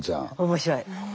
面白い。